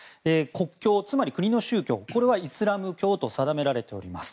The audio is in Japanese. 国教、つまり国の宗教はイスラム教と定められております。